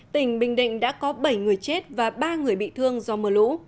tỉnh bình định đã có bảy người chết và ba người bị thương do mưa lũ